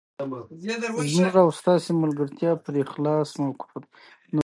د افغانستان په منظره کې جلګه ښکاره ده.